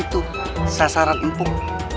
itu sasaran empuk